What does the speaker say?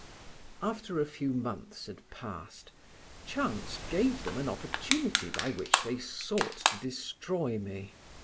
After a few months had passed, chance gave them an opportunity by which they sought to destroy me.